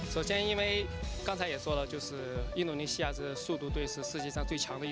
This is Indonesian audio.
pertama karena seperti yang saya katakan indonesia adalah suatu dari satu tim yang paling kuat di dunia